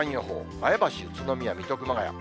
前橋、宇都宮、水戸、熊谷。